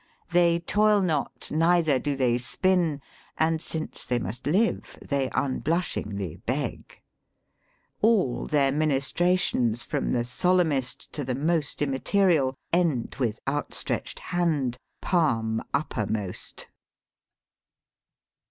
They toil not, neither do they spin, and since they must live they unblushingly beg. All their ministrations, from the solemnest to the Digitized by VjOOQIC 208 EAST BT WEST. most immaterial, end with outstretched hand^ pahn uppermost.